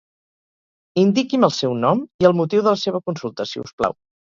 Indiqui'm el seu nom i el motiu de la seva consulta, si us plau.